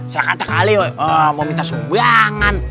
saya kata kali mau minta sumbangan